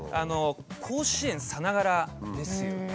甲子園さながらですよね。